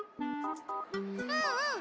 うんうん。